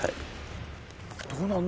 どうなんの？